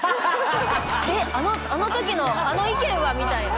あのときのあの意見は？みたいな。